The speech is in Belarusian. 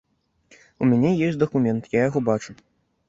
У мяне ёсць дакумент, я яго бачу.